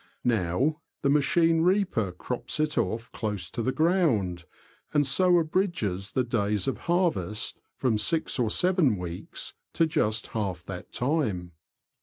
Now the machine reaper crops it off close to the ground, and so abridges the days of harvest from six or seven weeks to just half that time.